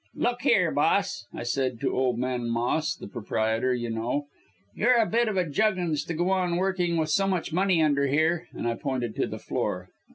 'Look here, boss,' I said to old man Moss the proprietor, you know 'You're a bit of a juggins to go on working with so much money under here,' and I pointed to the floor.